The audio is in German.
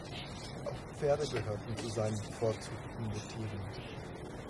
Auch Pferde gehörten zu seinen bevorzugten Motiven.